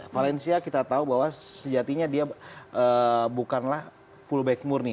valencia kita tahu bahwa sejatinya dia bukanlah fullback murni